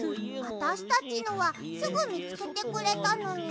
あたしたちのはすぐみつけてくれたのに。